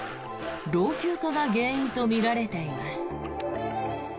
老朽化が原因とみられています。